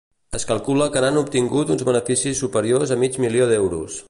Es calcula que n'han obtingut uns beneficis superiors a mig milió d'euros.